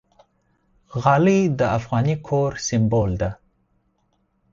غالۍ د افغاني کور سِمبول ده.